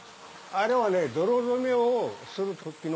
あれはね。